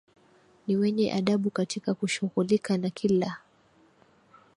ni wenye adabu katika kushughulika na kila